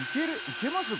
行けます？